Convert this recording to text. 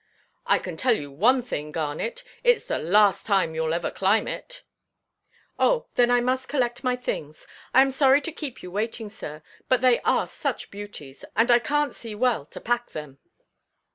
"I can tell you one thing, Garnet: itʼs the last time youʼll ever climb it." "Oh, then I must collect my things; I am sorry to keep you waiting, sir. But they are such beauties, and I canʼt see well to pack them."